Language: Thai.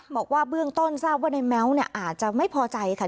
บอกว่าเบื้องต้นทราบว่าในแม้วอาจจะไม่พอใจค่ะ